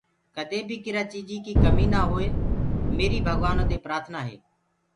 ڪَدي بي ڪرآ چيجي ڪي ڪمي نآ هوئ ميري ڀگَوآنو دي پرآٿنآ هي